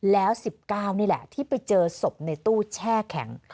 แล้ว๑๙นี่แหละที่ไปเจอศพในตู้แช่แข็ง